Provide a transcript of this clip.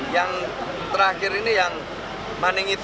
yang terakhir ini yang maning itu